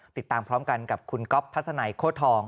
ติดตามพร้อมกันกับคุณก๊อฟทัศนัยโค้ดทอง